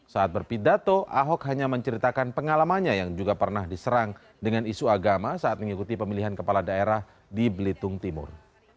saat berpidato ahok hanya menceritakan pengalamannya yang juga pernah diserang dengan isu agama saat mengikuti pemilihan kepala daerah di belitung timur